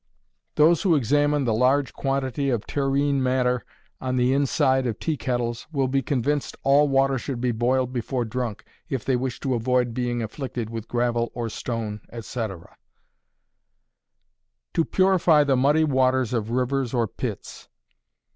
Those who examine the large quantity of terrene matter on the inside of tea kettles, will be convinced all water should be boiled before drunk, if they wish to avoid being afflicted with gravel or stone, etc. _To Purify the Muddy Waters of Rivers or Pits.